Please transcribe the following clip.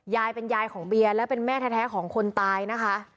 ยายเป็นยายของเบียร์และเป็นแม่แท้ของคนตายนะคะ